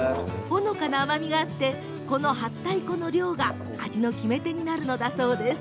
ほのかな甘みがあってこのはったい粉の量が味の決め手になるのだそうです。